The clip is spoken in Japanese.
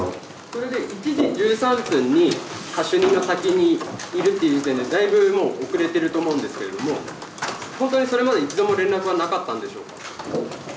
それで１時１３分にカシュニの滝にいるという時点で、だいぶもう、遅れていると思うんですけれども、本当にそれまで１度も連絡はなかったんでしょうか。